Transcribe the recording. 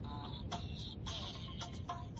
تاسو د بادامو په خوړلو بوخت یاست.